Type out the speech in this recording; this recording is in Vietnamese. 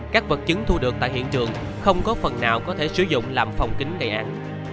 các vật chứng thu được tại hiện trường không có phần nào có thể sử dụng làm phòng kính gây án